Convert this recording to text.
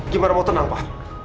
gimana mau tenang pak